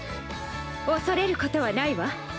恐れることはないわ。